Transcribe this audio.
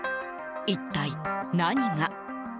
一体何が。